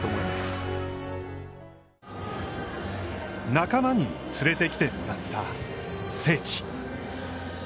仲間に連れてきてもらった聖地。